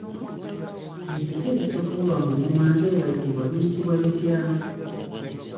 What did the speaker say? Ebiti ebisokoolwa mu ngoma ng’ebajjibwa biyitibwa bitya?